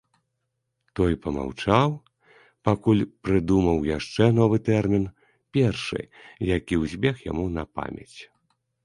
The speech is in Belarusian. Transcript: Той памаўчаў, пакуль прыдумаў яшчэ новы тэрмін, першы, які ўзбег яму на памяць.